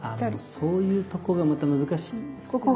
あのそういうとこがまた難しいんですよ。